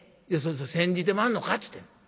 煎じてまんのかっちゅうてんの。